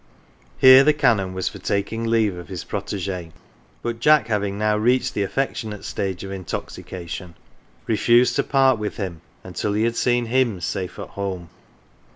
Here the Canon was for taking leave of his protege, but Jack having now reached the affectionate stage of intoxication, refused to part with him until he had seen him safe home.